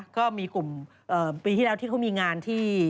ก็มีกลุ่มปีที่แล้วที่เขามีงานที่